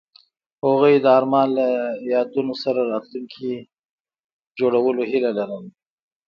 هغوی د آرمان له یادونو سره راتلونکی جوړولو هیله لرله.